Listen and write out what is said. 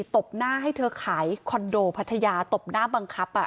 ตบหน้าให้เธอขายคอนโดพัทยาตบหน้าบังคับ